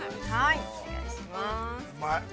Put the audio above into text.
◆うまい。